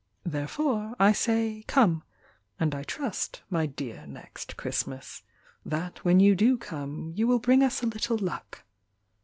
Therefore, I say "Come," And I trust, my dear Next Christmas, That when you do come You will bring us a little luck.